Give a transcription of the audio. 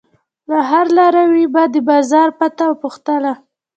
له هر لاروي به د بازار پته پوښتله.